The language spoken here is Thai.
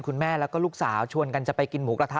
คุณแม่แล้วก็ลูกสาวชวนกันจะไปกินหมูกระทะ